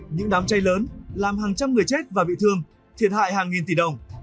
những đám cháy lớn làm hàng trăm người chết và bị thương thiệt hại hàng nghìn tỷ đồng